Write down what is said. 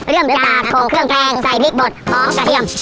เริ่มจากออกเครื่องแพงใส่ลิตรหมดหอมกระเทียม